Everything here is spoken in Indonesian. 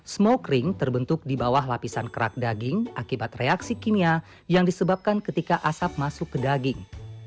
smoke ring terbentuk di bawah lapisan kerak daging akibat reaksi kimia yang disebabkan ketika asap masuk ke daging